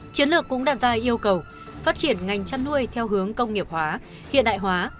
chiến lược cũng đặt ra yêu cầu phát triển ngành chăn nuôi theo hướng công nghiệp hóa hiện đại hóa